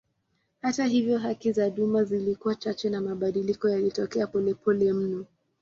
Hata hivyo haki za duma zilikuwa chache na mabadiliko yalitokea polepole mno.